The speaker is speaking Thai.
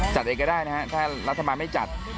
จัดเองก็ได้นะฮะถ้ารัฐบาลไม่จัด